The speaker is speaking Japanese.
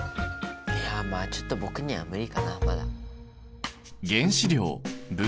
いやまあちょっと僕には無理かなまだ。